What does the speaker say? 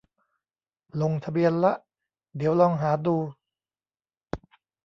ลงทะเบียนละ เดี๋ยวลองหาดู